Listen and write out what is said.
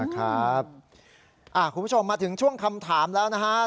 คุณผู้ชมมาถึงช่วงคำถามแล้วนะครับ